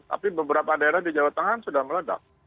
tapi beberapa daerah di jawa tengah sudah meledak